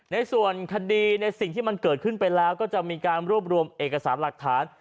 ในส่วนคดีเกิดขึ้นไปแล้วก็จะมีการรูปรวมเอกสารหลักฐาน